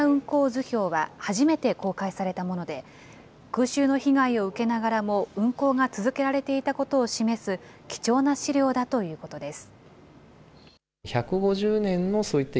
図表は初めて公開されたもので、空襲の被害を受けながらも運行が続けられていたことを示す、貴重な資料だということです。